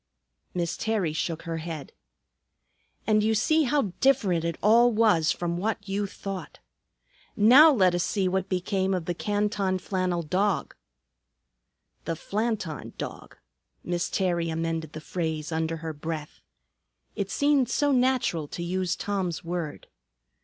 Miss Terry shook her head. "And you see how different it all was from what you thought. Now let us see what became of the Canton flannel dog." "The Flanton Dog." Miss Terry amended the phrase under her breath. It seemed so natural to use Tom's word.